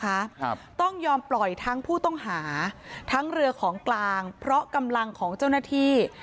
ครับต้องยอมปล่อยทั้งผู้ต้องหาทั้งเรือของกลางเพราะกำลังของเจ้าหน้าที่